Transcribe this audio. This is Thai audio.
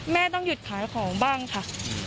ต้องหยุดขายของบ้างค่ะ